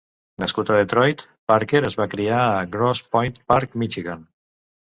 Nascut a Detroit, Parker es va criar a Grosse Pointe Park, Michigan.